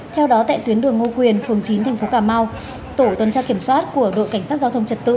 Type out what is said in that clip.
theo đó tại tuyến đường ngô quyền phường chín tp cà mau tổ tuần tra kiểm soát của đội cảnh sát giao thông trật tự